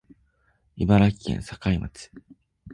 茨城県境町